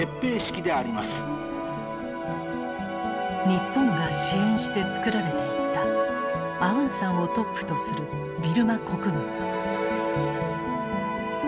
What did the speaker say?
日本が支援して作られていったアウンサンをトップとするビルマ国軍。